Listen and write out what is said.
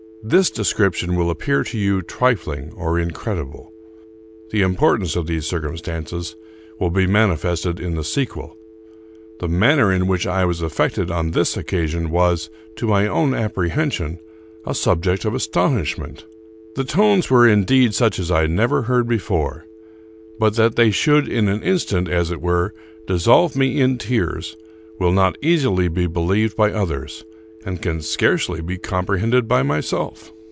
This description will appear to you trifling or incredi ble. The importance of these circumstances will be mani fested in the sequel. The manner in which I was affected on this occasion was, to my own apprehension, a subject of astonishment. The tones were indeed such as I never heard before; but that they should in an instant, as it were, dissolve me in tears, will not easily be believed by others, and can scarcely be comprehended by myself.